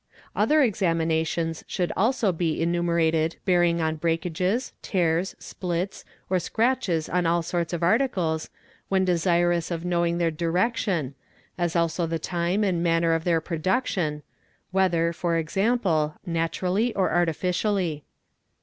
Other examinations should also be enumerated bearing on breakages, tears, splits, or scratches on all sorts of articles when desirous of knowing their direction, as also the time and manner of their production (whether, . e.g., naturally or artificially).